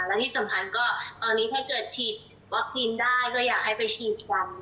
และที่สำคัญก็ตอนนี้ถ้าเกิดฉีดวัคซีนได้ก็อยากให้ไปฉีดกัน